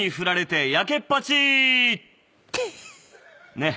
ねっ。